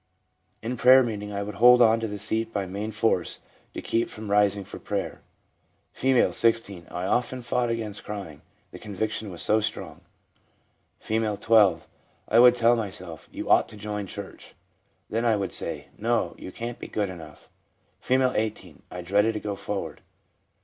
In prayer meeting I would hold on to the seat by main force to keep from rising for prayer/ F., 16. ' I often fought against crying, the conviction was so strong/ F., 12. ' I would tell myself, "You ought to join church"; then I would say, "No, you can't be good enough." ' F., 18. ' I dreaded to go forward.'